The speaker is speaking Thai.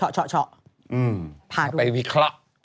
พาดูเอาไปวิเคราะห์